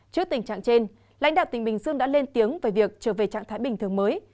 trước tình trạng trên lãnh đạo tỉnh bình dương đã lên tiếng về việc trở về trạng thái bình thường mới